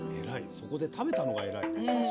そこで食べたのが偉いね。